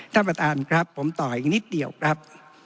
ท่านประธานครับผมต่ออีกนิดเดียวครับ